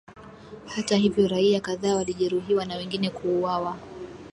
Hata hivyo raia kadhaa walijeruhiwa na wengine kuuawa